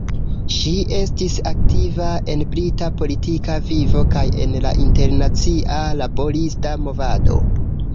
Ŝi estis aktiva en brita politika vivo kaj en la internacia laborista movado.